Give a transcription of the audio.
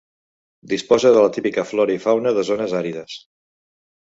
Disposa de la típica flora i fauna de zones àrides.